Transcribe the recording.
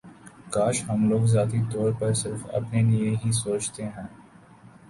کاش ہم لوگ ذاتی طور پر صرف اپنے لیے ہی سوچتے ہیں